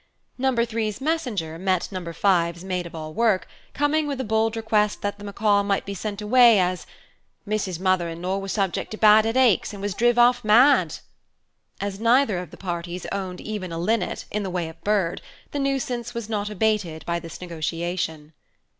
No. 3's messenger met No. 5's maid of all work, coming with a bold request that the macaw might be sent away, as "Missus's mother in law was subject to bad headaches, and was driv half mad." As neither of the parties owned even a linnet, in the way of bird, the nuisance was not abated by this negotiation.